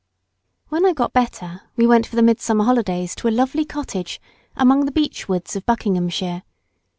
When I got better we went for the midsummer holidays to a lovely cottage among the beech woods of Buckinghamshire.